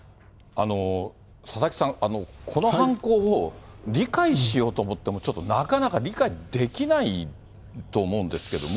佐々木さん、この犯行を、理解しようと思っても、ちょっとなかなか理解できないと思うんですけども。